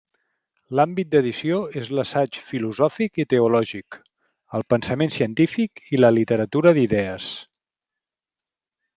L'àmbit d'edició és l'assaig filosòfic i teològic, el pensament científic i la literatura d'idees.